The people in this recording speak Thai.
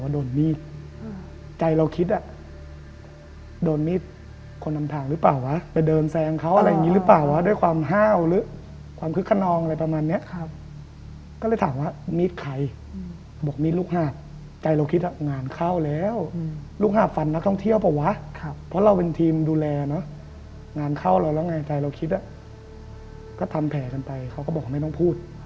โดนมีดใจเราคิดอ่ะโดนมีดคนนำทางหรือเปล่าวะไปเดินแซงเขาอะไรอย่างนี้หรือเปล่าวะด้วยความห้าวหรือความคึกขนองอะไรประมาณเนี้ยครับก็เลยถามว่ามีดใครบอกมีดลูกหาบใจเราคิดอ่ะงานเข้าแล้วลูกหาบฟันนักท่องเที่ยวเปล่าวะเพราะเราเป็นทีมดูแลเนอะงานเข้าเราแล้วไงใจเราคิดอ่ะก็ทำแผลกันไปเขาก็บอกว่าไม่ต้องพูด